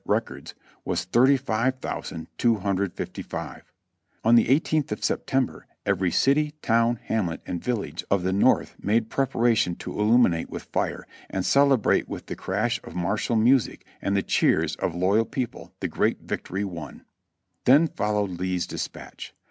Records, was 35,255. On the 1 8th of September every city, town, hamlet and vil lage of the North made preparation to illuminate with fire, and celebrate with the crash of martial music and the cheers of the loyal people, the great victory won. Then followed Lee's dispatch.